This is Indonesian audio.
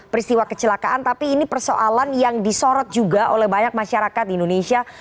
peristiwa kecelakaan tapi ini persoalan yang disorot juga oleh banyak masyarakat di indonesia